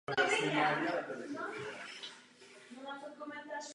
Opera se odehrává v Čechách před bitvou u Lipan.